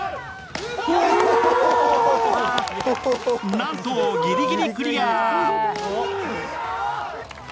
なんと、ギリギリクリア。